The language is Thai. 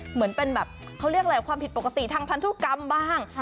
เหมือนเป็นแบบเขาเรียกอะไรความผิดปกติทางพันธุกรรมบ้าง